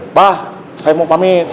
mbah saya mau pamit